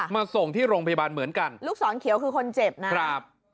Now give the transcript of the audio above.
มาส่งที่โรงพยาบาลเหมือนกันลูกศรเขียวคือคนเจ็บนะครับ